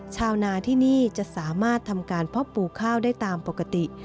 ชาวนาที่นี่จะสามารถทำการเพาะปลูกข้าวได้ตามปกติ